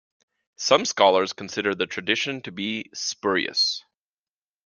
Some scholars consider the traditions to be spurious.